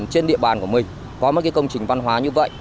trên địa bàn của mình có một công trình văn hóa như vậy